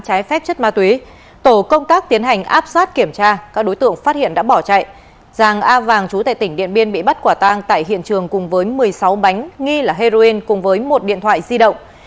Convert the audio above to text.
trái phép chất ma túy tổ công tác tiến hành áp soát kiểm tra các đối tượng phát hiện đã bỏ chạy giàng a vàng chú tại tỉnh điện biên bị bắt quả tang tại hiện trường cùng với một mươi sáu bánh nghi là heroin cùng với một điện thoại di động